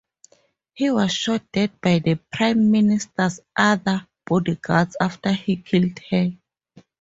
He was shot dead by the Prime Minister's other bodyguards after he killed her.